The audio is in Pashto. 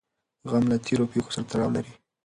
غم له تېرو پېښو سره تړاو لري.